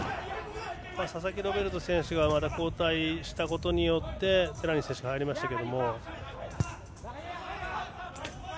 佐々木ロベルト選手が交代したことによって寺西選手が入りましたが。